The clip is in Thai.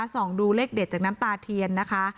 ส่องดูเลขเด็ดจากน้ำตาเทียนนะคะ